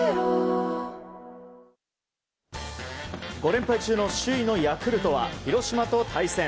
５連敗中の首位のヤクルトは広島と対戦。